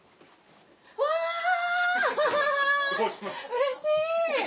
うれしい！